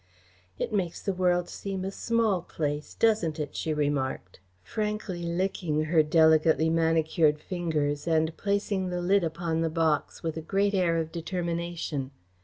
"It makes the world seem a small place, doesn't it?" she remarked, frankly licking her delicately manicured fingers and placing the lid upon the box with a great air of determination.